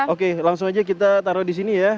oke langsung aja kita taruh di sini ya